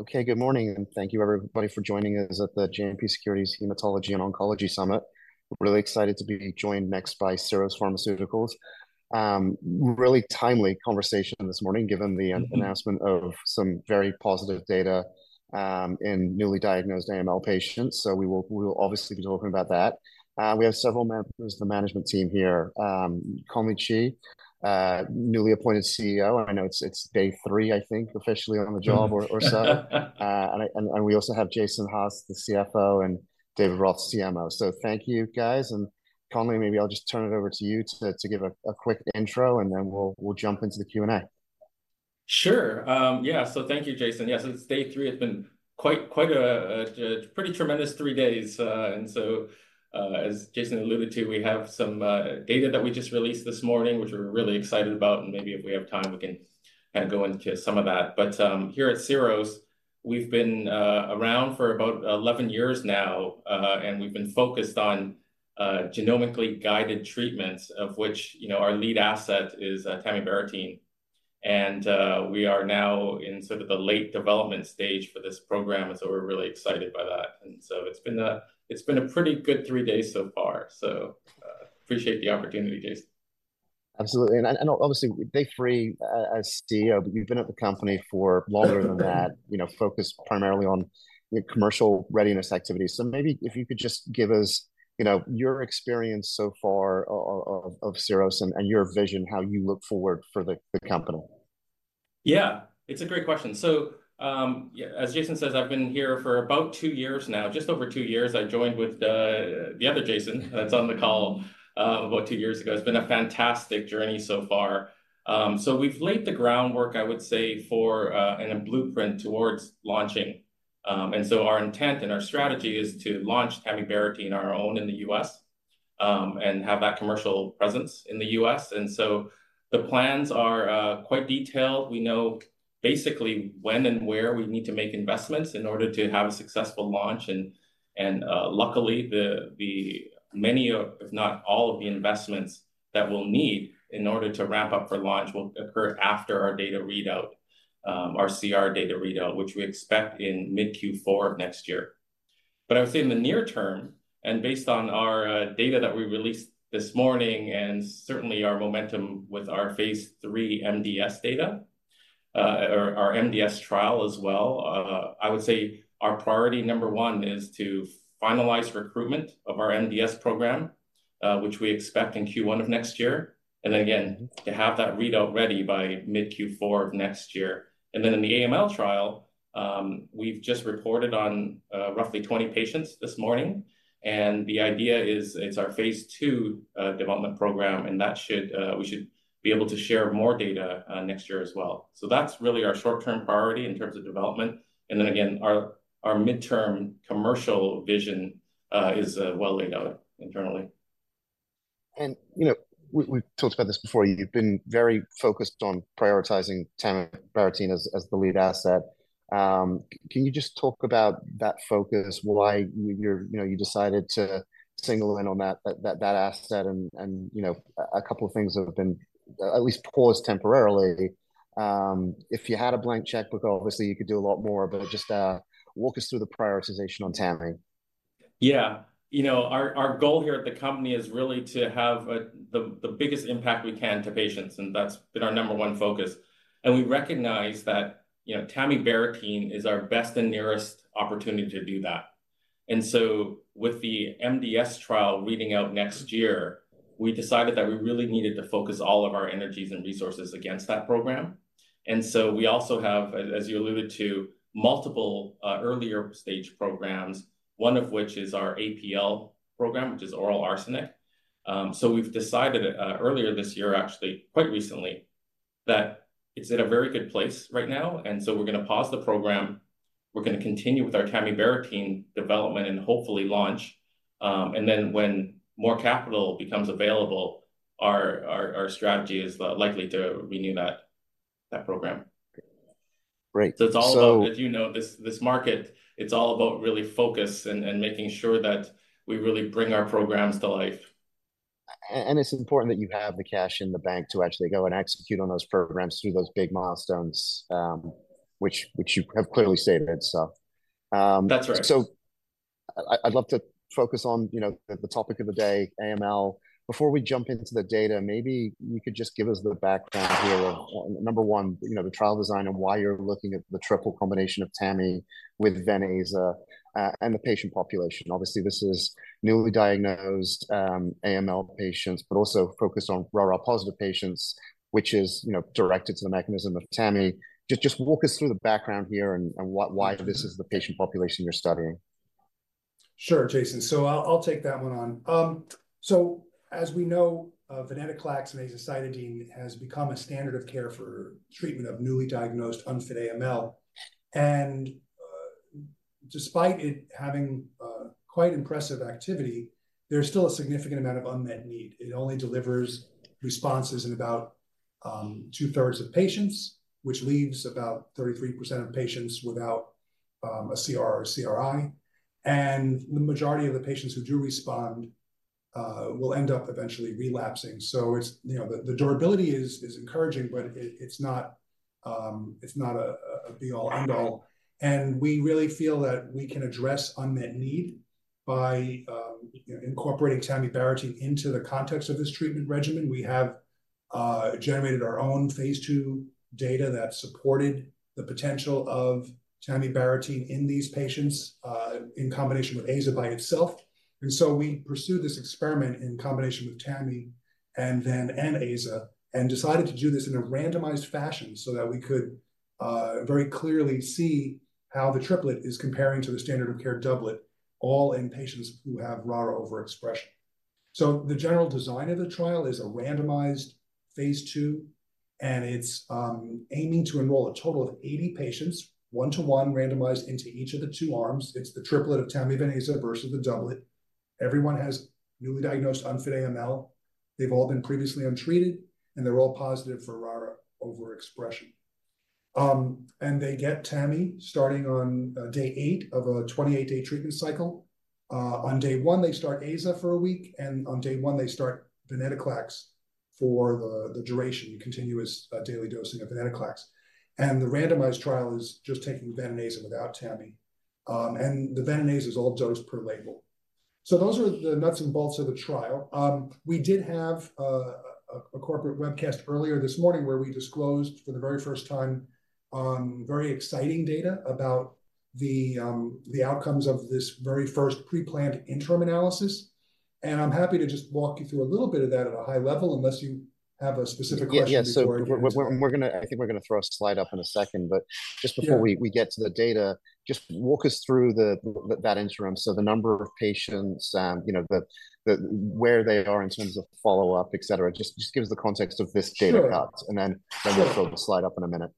Okay, good morning, and thank you everybody for joining us at the JMP Securities Hematology and Oncology Summit. We're really excited to be joined next by Syros Pharmaceuticals. Really timely conversation this morning, given the announcement of some very positive data in newly diagnosed AML patients. So we will obviously be talking about that. We have several members of the management team here. Conley Chee, newly appointed CEO, and I know it's day three, I think, officially on the job or so. And we also have Jason Haas, the CFO, and David Roth, CMO. So thank you, guys, and Conley, maybe I'll just turn it over to you to give a quick intro, and then we'll jump into the Q&A. Sure. Yeah, so thank you, Jason. Yes, it's day 3. It's been quite a pretty tremendous 3 days. And so, as Jason alluded to, we have some data that we just released this morning, which we're really excited about, and maybe if we have time, we can go into some of that. But, here at Syros, we've been around for about 11 years now, and we've been focused on genomically guided treatments, of which, you know, our lead asset is tamibarotene. And, we are now in sort of the late development stage for this program, and so we're really excited by that. And so it's been a pretty good 3 days so far. So, appreciate the opportunity, Jason. Absolutely. And obviously, day three as CEO, but you've been at the company for longer than that you know, focused primarily on the commercial readiness activities. So maybe if you could just give us, you know, your experience so far of Syros, and your vision, how you look forward for the company. Yeah, it's a great question. So, yeah, as Jason says, I've been here for about two years now, just over two years. I joined with the other Jason that's on the call about two years ago. It's been a fantastic journey so far. So we've laid the groundwork, I would say, for and a blueprint towards launching. And so our intent and our strategy is to launch tamibarotene on our own in the U.S., and have that commercial presence in the U.S. And so the plans are quite detailed. We know basically when and where we need to make investments in order to have a successful launch. Luckily, the many, if not all of the investments that we'll need in order to ramp up for launch will occur after our data readout, our CR data readout, which we expect in mid-Q4 of next year. But I would say in the near term, and based on our data that we released this morning, and certainly our momentum with our phase III MDS data, our MDS trial as well, I would say our priority number one is to finalize recruitment of our MDS program, which we expect in Q1 of next year, and again, to have that readout ready by mid-Q4 of next year. And then in the AML trial, we've just reported on roughly 20 patients this morning, and the idea is it's our Phase 2 development program, and that should, we should be able to share more data next year as well. So that's really our short-term priority in terms of development. And then again, our midterm commercial vision is well laid out internally. You know, we, we've talked about this before. You've been very focused on prioritizing tamibarotene as the lead asset. Can you just talk about that focus, why you're you know, you decided to single in on that asset and you know, a couple of things that have been at least paused temporarily. If you had a blank checkbook, obviously, you could do a lot more, but just walk us through the prioritization on Tami. Yeah. You know, our goal here at the company is really to have the biggest impact we can to patients, and that's been our number one focus. We recognize that, you know, tamibarotene is our best and nearest opportunity to do that. So with the MDS trial reading out next year, we decided that we really needed to focus all of our energies and resources against that program. We also have, as you alluded to, multiple earlier stage programs, one of which is our APL program, which is oral arsenic. We've decided, earlier this year, actually quite recently, that it's in a very good place right now, and so we're gonna pause the program. We're gonna continue with our tamibarotene development and hopefully launch. When more capital becomes available, our strategy is likely to renew that program. Great. So- It's all about, as you know, this market. It's all about really focus and making sure that we really bring our programs to life. And it's important that you have the cash in the bank to actually go and execute on those programs through those big milestones, which you have clearly stated. So, That's right. I'd love to focus on, you know, the topic of the day, AML. Before we jump into the data, maybe you could just give us the background here. Number one, you know, the trial design and why you're looking at the triple combination of Tami with Ven and Aza, and the patient population. Obviously, this is newly diagnosed AML patients, but also focused on RARA-positive patients, which is, you know, directed to the mechanism of Tami. Just walk us through the background here and why this is the patient population you're studying. Sure, Jason. So I'll take that one on. So as we know, venetoclax and azacitidine has become a standard of care for treatment of newly diagnosed unfit AML. And despite it having quite impressive activity, there's still a significant amount of unmet need. It only delivers responses in about two-thirds of patients, which leaves about 33% of patients without a CR or CRi. And the majority of the patients who do respond will end up eventually relapsing. So it's, you know, the durability is encouraging, but it's not a be-all-end-all. And we really feel that we can address unmet need by, you know, incorporating tamibarotene into the context of this treatment regimen. We have generated our own phase 2 data that supported the potential of tamibarotene in these patients in combination with Aza by itself. So we pursued this experiment in combination with Tami and Aza, and decided to do this in a randomized fashion so that we could very clearly see how the triplet is comparing to the standard of care doublet, all in patients who have RARA overexpression. The general design of the trial is a randomized phase 2, and it's aiming to enroll a total of 80 patients, 1:1 randomized into each of the two arms. It's the triplet of Tami-Ven-Aza versus the doublet. Everyone has newly diagnosed unfit AML. They've all been previously untreated, and they're all positive for RARA overexpression. They get Tami starting on day 8 of a 28-day treatment cycle. On day one, they start Aza for a week, and on day one, they start venetoclax for the duration, continuous daily dosing of venetoclax. The randomized trial is just taking Vidaza without Tami. The Vidaza is all dosed per label. Those are the nuts and bolts of the trial. We did have a corporate webcast earlier this morning, where we disclosed, for the very first time, very exciting data about the outcomes of this very first pre-planned interim analysis. I'm happy to just walk you through a little bit of that at a high level, unless you have a specific question before I do. Yeah, yeah. So I think we're gonna throw a slide up in a second, but- Yeah. Just before we get to the data, just walk us through that interim. So the number of patients, you know, the, where they are in terms of follow-up, et cetera. Just give us the context of this data cut. Sure. And then we'll throw the slide up in a minute.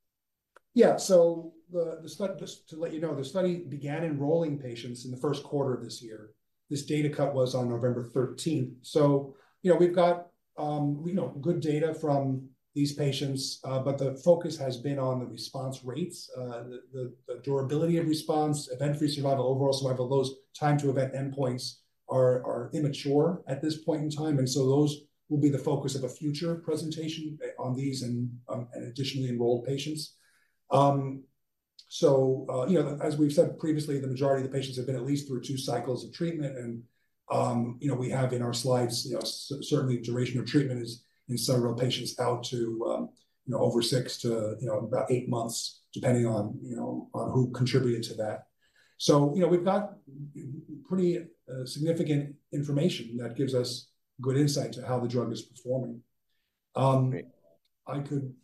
Yeah. So the study. Just to let you know, the study began enrolling patients in the first quarter of this year. This data cut was on November thirteenth. So, you know, we've got, you know, good data from these patients, but the focus has been on the response rates, the durability of response, event-free survival, overall survival. Those time to event endpoints are immature at this point in time, and so those will be the focus of a future presentation on these and additionally, enrolled patients. So, you know, as we've said previously, the majority of the patients have been at least through two cycles of treatment. You know, we have in our slides, you know, certainly, duration of treatment is in several patients out to, you know, over 6 to, you know, about 8 months, depending on, you know, on who contributed to that. So, you know, we've got pretty significant information that gives us good insight to how the drug is performing. I could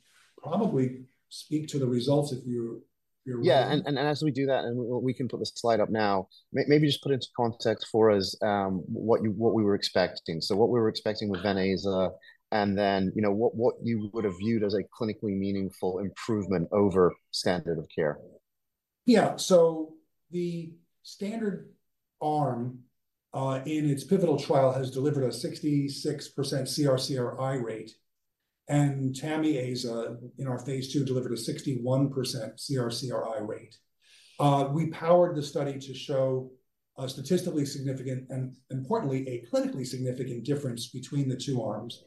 probably speak to the results if you, you- Yeah, and as we do that, we can put the slide up now. Maybe just put it into context for us, what we were expecting. So what we were expecting with Ven-Aza, and then, you know, what you would have viewed as a clinically meaningful improvement over standard of care. Yeah. So the standard arm in its pivotal trial has delivered a 66% CR/CRi rate, and Tami/Aza, in our phase 2, delivered a 61% CR/CRi rate. We powered the study to show a statistically significant, and importantly, a clinically significant difference between the two arms.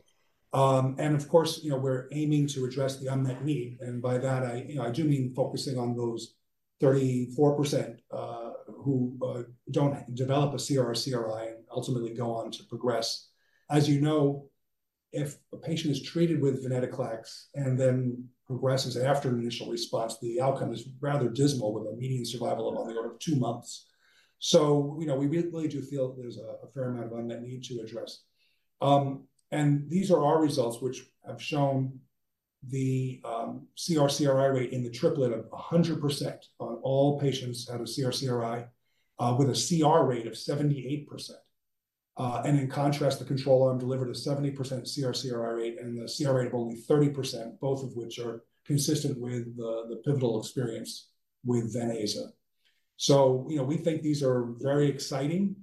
And of course, you know, we're aiming to address the unmet need, and by that, you know, I do mean focusing on those 34% who don't develop a CR/CRi and ultimately go on to progress. As you know, if a patient is treated with venetoclax and then progresses after the initial response, the outcome is rather dismal, with a median survival of only over 2 months. So, you know, we really do feel there's a fair amount of unmet need to address. And these are our results, which have shown the CR/CRi rate in the triplet of 100% on all patients out of CR/CRi, with a CR rate of 78%. And in contrast, the control arm delivered a 70% CR/CRi rate and a CR rate of only 30%, both of which are consistent with the pivotal experience with Ven/Aza. So, you know, we think these are very exciting.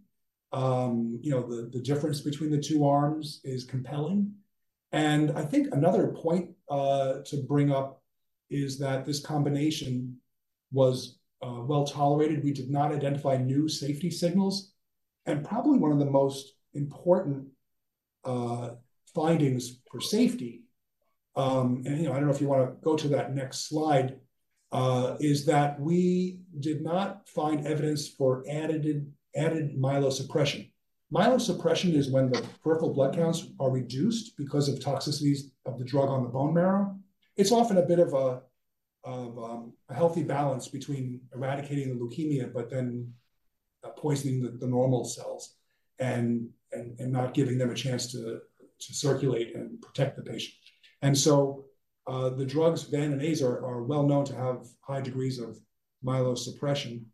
You know, the difference between the two arms is compelling. And I think another point to bring up is that this combination was well tolerated. We did not identify new safety signals, and probably one of the most important findings for safety... you know, I don't know if you wanna go to that next slide, is that we did not find evidence for added myelosuppression. Myelosuppression is when the peripheral blood counts are reduced because of toxicities of the drug on the bone marrow. It's often a bit of a healthy balance between eradicating the leukemia, but then poisoning the normal cells and not giving them a chance to circulate and protect the patient. So the drugs Ven and Aza are well known to have high degrees of myelosuppression,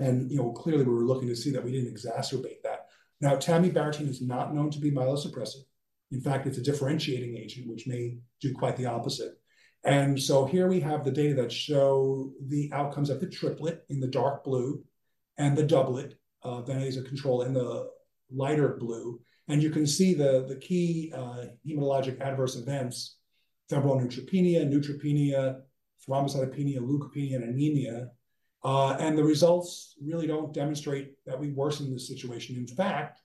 and you know, clearly, we were looking to see that we didn't exacerbate that. Now, tamibarotene is not known to be myelosuppressive. In fact, it's a differentiating agent, which may do quite the opposite. And so here we have the data that show the outcomes of the triplet in the dark blue and the doublet, Ven-Aza control in the lighter blue. And you can see the key hematologic adverse events, febrile neutropenia, neutropenia, thrombocytopenia, leukopenia, and anemia. And the results really don't demonstrate that we worsen the situation. In fact,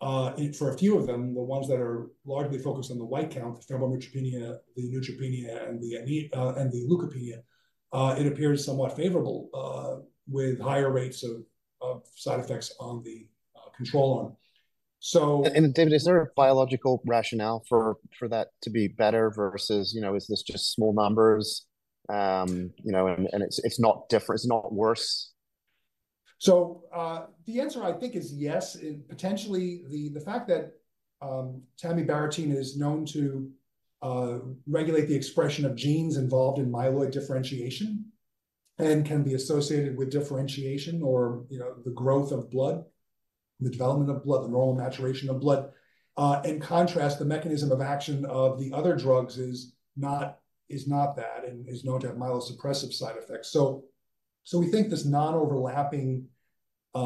for a few of them, the ones that are largely focused on the white count, the febrile neutropenia, the neutropenia, and the leukopenia, it appears somewhat favorable with higher rates of side effects on the control arm. So- And David, is there a biological rationale for that to be better versus, you know, is this just small numbers? You know, and it's not different, it's not worse. So, the answer, I think, is yes. And potentially, the fact that tamibarotene is known to regulate the expression of genes involved in myeloid differentiation and can be associated with differentiation or, you know, the growth of blood, the development of blood, the normal maturation of blood. In contrast, the mechanism of action of the other drugs is not that, and is known to have myelosuppressive side effects. So, we think this non-overlapping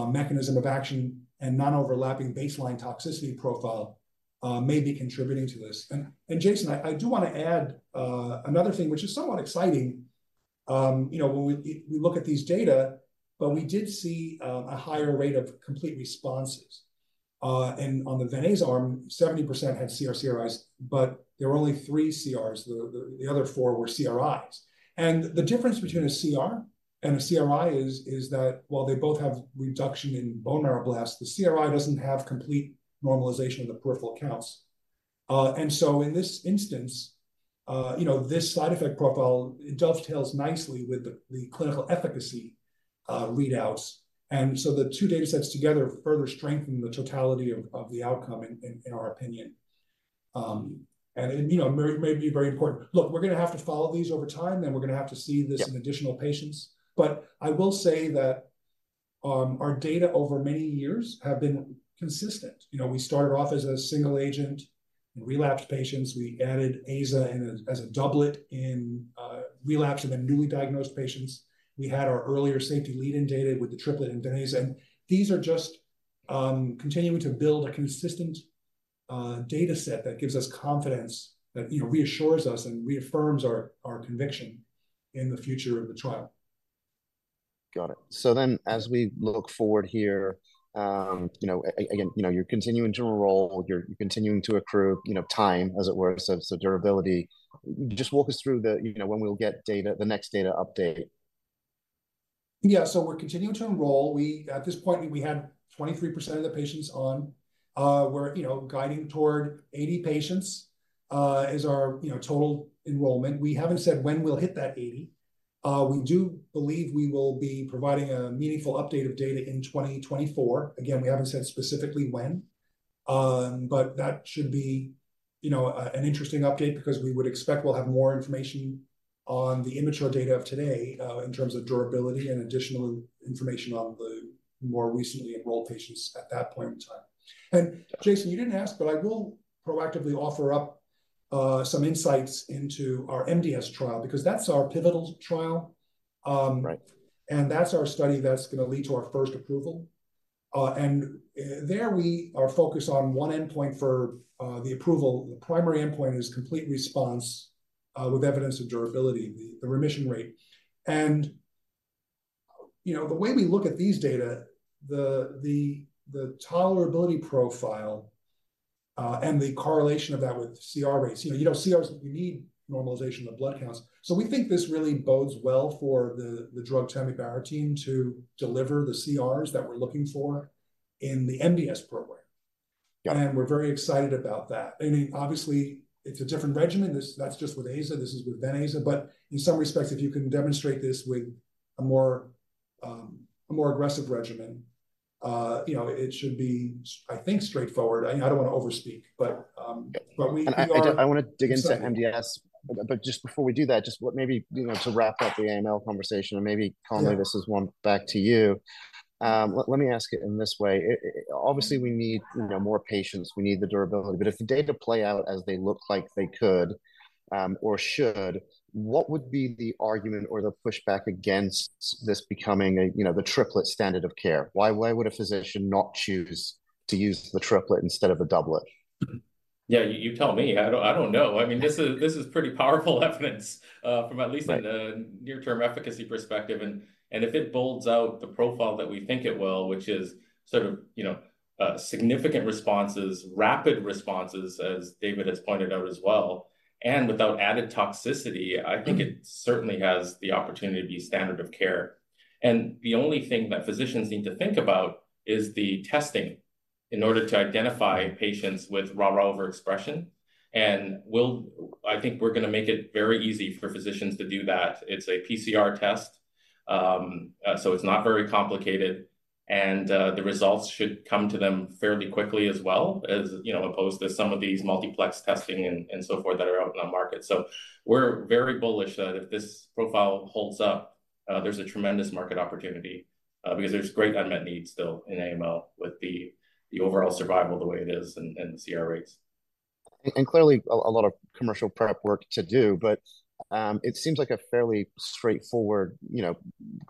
mechanism of action and non-overlapping baseline toxicity profile may be contributing to this. And, Jason, I do wanna add another thing, which is somewhat exciting. You know, when we look at these data, but we did see a higher rate of complete responses. And on the venetoclax arm, 70% had CR/CRis, but there were only 3 CRs. The other four were CRis. And the difference between a CR and a CRi is that while they both have reduction in bone marrow blasts, the CRi doesn't have complete normalization of the peripheral counts. And so in this instance, you know, this side effect profile, it dovetails nicely with the clinical efficacy readouts. And so the two datasets together further strengthen the totality of the outcome in our opinion. And, you know, may be very important. Look, we're gonna have to follow these over time, and we're gonna have to see this in additional patients. But I will say that our data over many years have been consistent. You know, we started off as a single agent in relapsed patients. We added AZA in as a doublet in relapsed and then newly diagnosed patients. We had our earlier safety lead-in data with the triplet in venetoclax. These are just continuing to build a consistent dataset that gives us confidence, that, you know, reassures us and reaffirms our, our conviction in the future of the trial. Got it. So then, as we look forward here, you know, again, you know, you're continuing to enroll, you're continuing to accrue, you know, time, as it were, so, so durability. Just walk us through the, you know, when we'll get data, the next data update. Yeah, so we're continuing to enroll. We at this point had 23% of the patients on. We're, you know, guiding toward 80 patients is our, you know, total enrollment. We haven't said when we'll hit that 80. We do believe we will be providing a meaningful update of data in 2024. Again, we haven't said specifically when, but that should be, you know, an interesting update because we would expect we'll have more information on the immature data of today in terms of durability and additional information on the more recently enrolled patients at that point in time. And Jason, you didn't ask, but I will proactively offer up some insights into our MDS trial, because that's our pivotal trial. Right. And that's our study that's gonna lead to our first approval. And there, we are focused on one endpoint for the approval. The primary endpoint is complete response with evidence of durability, the remission rate. And you know, the way we look at these data, the tolerability profile, and the correlation of that with CR rates. You know, you don't CRs, you need normalization of blood counts. So we think this really bodes well for the drug tamibarotene to deliver the CRs that we're looking for in the MDS program. Got it. And we're very excited about that. I mean, obviously, it's a different regimen. This that's just with AZA, this is with venetoclax. But in some respects, if you can demonstrate this with a more, a more aggressive regimen, you know, it should be, I think, straightforward. I, I don't wanna overspeak, but, but we, we are- And I do wanna dig into MDS. Sure. But just before we do that, maybe, you know, to wrap up the AML conversation, and maybe, Conley. Yeah this is one back to you. Let me ask it in this way. It obviously, we need, you know, more patients, we need the durability, but if the data play out as they look like they could, or should, what would be the argument or the pushback against this becoming a, you know, the triplet standard of care? Why would a physician not choose to use the triplet instead of a doublet? Yeah, you, you tell me. I don't, I don't know. I mean, this is, this is pretty powerful evidence from at least- Right the near-term efficacy perspective. And if it bolds out the profile that we think it will, which is sort of, you know, significant responses, rapid responses, as David has pointed out as well, and without added toxicity, I think it certainly has the opportunity to be standard of care. And the only thing that physicians need to think about is the testing in order to identify patients with RARA overexpression. And we'll, I think we're gonna make it very easy for physicians to do that. It's a PCR test, so it's not very complicated, and the results should come to them fairly quickly as well, as you know, opposed to some of these multiplex testing and so forth, that are out in the market. So we're very bullish that if this profile holds up, there's a tremendous market opportunity, because there's great unmet needs still in AML with the overall survival the way it is, and CR rates. Clearly, a lot of commercial prep work to do, but it seems like a fairly straightforward, you know,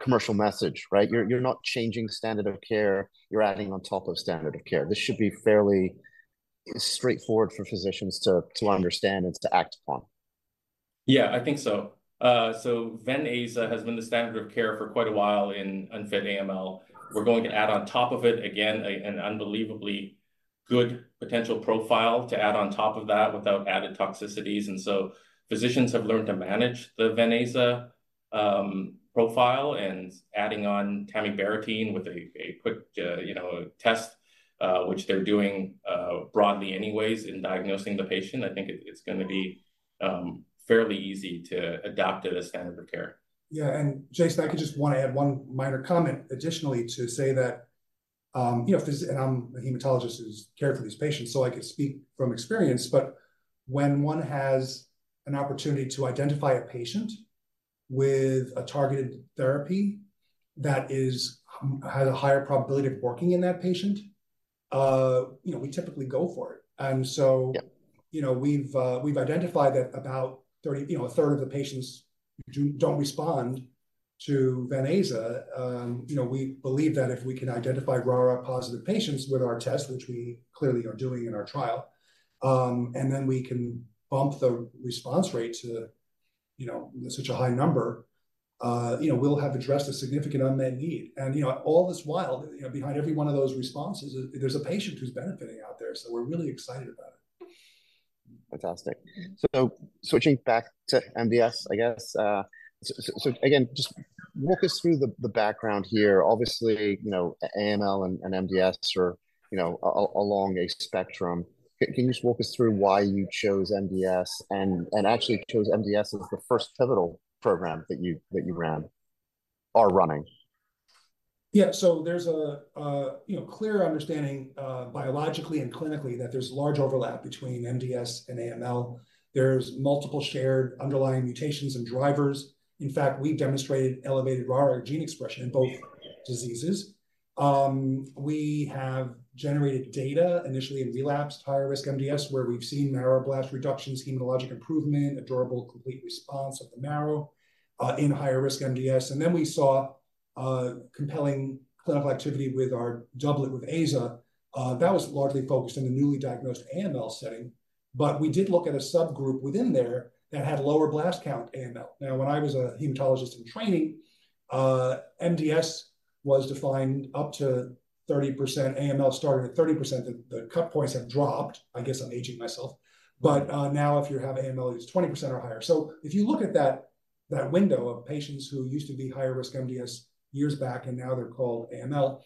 commercial message, right? Yeah. You're not changing standard of care, you're adding on top of standard of care. This should be fairly straightforward for physicians to understand and to act upon. Yeah, I think so. So Ven-Aza has been the standard of care for quite a while in unfit AML. We're going to add on top of it, again, an unbelievably good potential profile to add on top of that without added toxicities. And so physicians have learned to manage the Ven-Aza profile, and adding on tamibarotene with a quick, you know, test, which they're doing broadly anyways in diagnosing the patient. I think it's gonna be fairly easy to adopt it as standard of care. Yeah, and Jason, I could just wanna add one minor comment additionally to say that, you know, and I'm a hematologist who's cared for these patients, so I could speak from experience. But when one has an opportunity to identify a patient with a targeted therapy that is, has a higher probability of working in that patient, you know, we typically go for it. And so- Yeah. You know, we've identified that about 30, you know, a third of the patients don't respond to Ven-Aza. You know, we believe that if we can identify RARA-positive patients with our test, which we clearly are doing in our trial, and then we can bump the response rate to, you know, such a high number, you know, we'll have addressed a significant unmet need. And, you know, all this while, you know, behind every one of those responses, there's a patient who's benefiting out there, so we're really excited about it. Fantastic. So switching back to MDS, I guess. So again, just walk us through the background here. Obviously, you know, AML and MDS are, you know, along a spectrum. Can you just walk us through why you chose MDS and actually chose MDS as the first pivotal program that you ran are running? Yeah. So there's you know, clear understanding, biologically and clinically, that there's large overlap between MDS and AML. There's multiple shared underlying mutations and drivers. In fact, we demonstrated elevated RARA gene expression in both diseases. We have generated data initially in relapsed higher-risk MDS, where we've seen marrow blast reduction, hematologic improvement, a durable, complete response of the marrow, in higher-risk MDS. And then we saw compelling clinical activity with our doublet with Aza. That was largely focused on the newly diagnosed AML setting, but we did look at a subgroup within there that had lower blast count AML. Now, when I was a hematologist in training, MDS was defined up to 30%. AML started at 30%. The cut points have dropped. I guess I'm aging myself. But now if you have AML, it's 20% or higher. So if you look at that, that window of patients who used to be higher-risk MDS years back, and now they're called AML,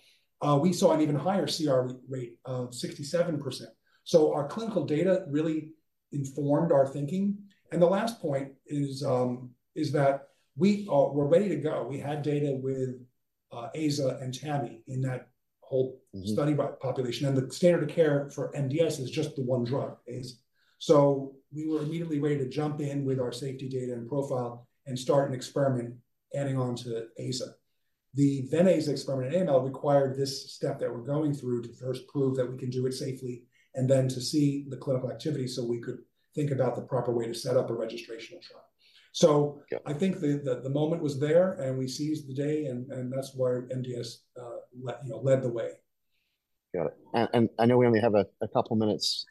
we saw an even higher CR rate of 67%. So our clinical data really informed our thinking. And the last point is that we’re ready to go. We had data with Aza and Tami in that whole- study population, and the standard of care for MDS is just the one drug, Aza. So we were immediately ready to jump in with our safety data and profile and start an experiment adding on to Aza. The Ven-Aza experiment in AML required this step that we're going through to first prove that we can do it safely, and then to see the clinical activity, so we could think about the proper way to set up a registrational trial. So- I think the moment was there, and we seized the day, and that's why MDS led, you know, led the way. Got it. And I know we only have a couple minutes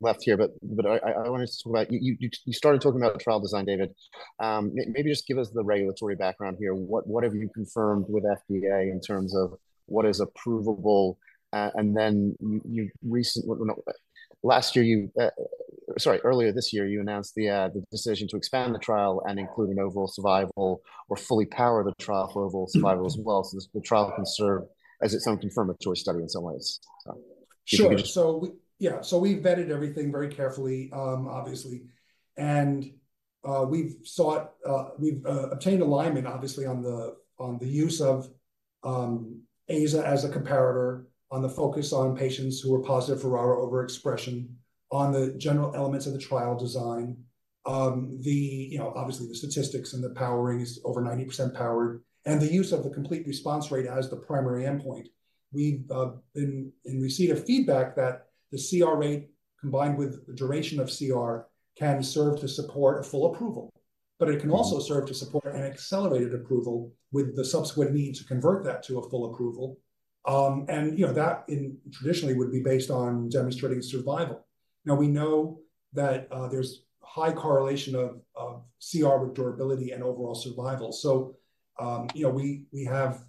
left here, but I wanted to talk about. You started talking about the trial design, David. Maybe just give us the regulatory background here. What have you confirmed with FDA in terms of what is approvable? And then you, well, no, last year, sorry, earlier this year, you announced the decision to expand the trial and include an overall survival or fully power the trial for overall survival as well. So, the trial can serve as its own confirmatory study in some ways. So if you could just- Sure. So we vetted everything very carefully, obviously. And we've sought, we've obtained alignment, obviously, on the use of Aza as a comparator, on the focus on patients who were positive for RARA overexpression, on the general elements of the trial design. You know, obviously, the statistics and the powering is over 90% powered, and the use of the complete response rate as the primary endpoint. We've been in receipt of feedback that the CR rate, combined with the duration of CR, can serve to support a full approval, but it can also serve to support an accelerated approval with the subsequent need to convert that to a full approval. And, you know, that traditionally would be based on demonstrating survival. Now, we know that, there's high correlation of CR with durability and overall survival. So, you know, we have,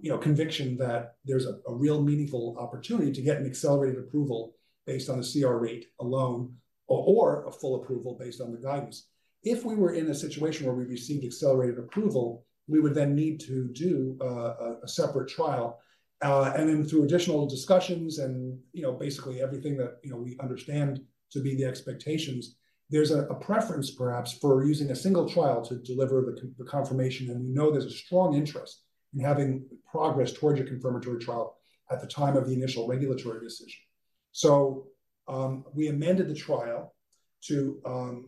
you know, conviction that there's a real meaningful opportunity to get an accelerated approval based on the CR rate alone or a full approval based on the guidance. If we were in a situation where we received accelerated approval, we would then need to do a separate trial. And then through additional discussions and, you know, basically everything that, you know, we understand to be the expectations, there's a preference perhaps for using a single trial to deliver the confirmation. And we know there's a strong interest in having progress towards a confirmatory trial at the time of the initial regulatory decision. We amended the trial to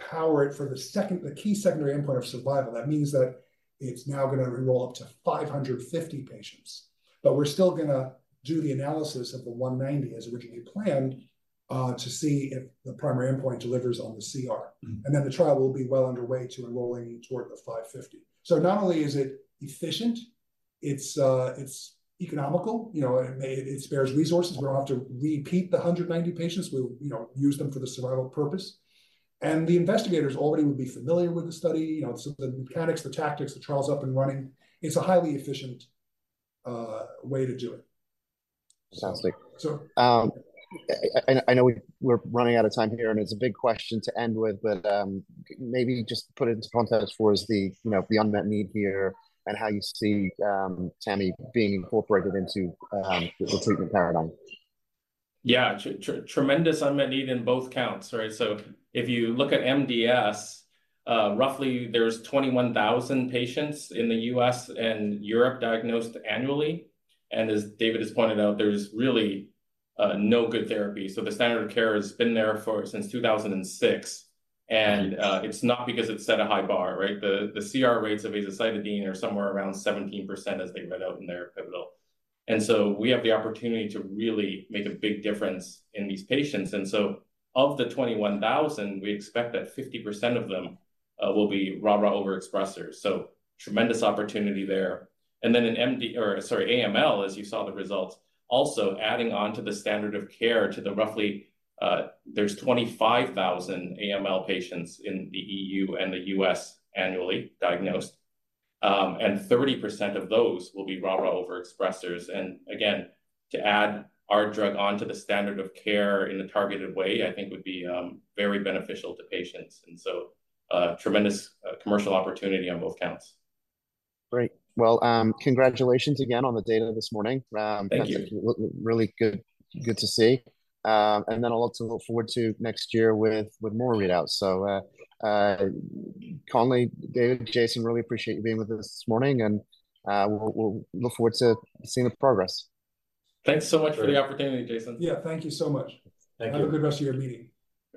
power it for the key secondary endpoint of survival. That means that it's now gonna enroll up to 550 patients, but we're still gonna do the analysis of the 190, as originally planned, to see if the primary endpoint delivers on the CR. And then the trial will be well underway to enrolling toward the 550. So not only is it efficient it's, it's economical, you know, and it, it spares resources. We don't have to repeat the 190 patients. We, you know, use them for the survival purpose. And the investigators already would be familiar with the study, you know, so the mechanics, the tactics, the trial's up and running. It's a highly efficient way to do it. Sounds like. So- I know we're running out of time here, and it's a big question to end with, but maybe just put it into context for us, you know, the unmet need here and how you see Tami being incorporated into the treatment paradigm. Yeah, tremendous unmet need in both counts, right? So if you look at MDS, roughly there's 21,000 patients in the US and Europe diagnosed annually, and as David has pointed out, there's really no good therapy. So the standard of care has been there since 2006, and it's not because it set a high bar, right? The CR rates of azacitidine are somewhere around 17%, as they read out in their pivotal. And so we have the opportunity to really make a big difference in these patients. And so of the 21,000, we expect that 50% of them will be RARA overexpressers. So tremendous opportunity there. And then in MD... AML, as you saw the results, also adding on to the standard of care, to the roughly, there's 25,000 AML patients in the EU and the US annually diagnosed. And 30% of those will be RARA overexpressers. And again, to add our drug onto the standard of care in a targeted way, I think would be very beneficial to patients, and so, tremendous commercial opportunity on both counts. Great. Well, congratulations again on the data this morning. Thank you. That's really good, good to see. And then I'll also look forward to next year with more readouts. So, Conley, David, Jason, really appreciate you being with us this morning, and we'll look forward to seeing the progress. Thanks so much for the opportunity, Jason. Yeah. Thank you so much. Thank you. Have a good rest of your meeting.